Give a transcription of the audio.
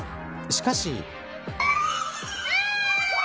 しかし。